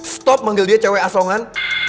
stop manggil dia cewek asongan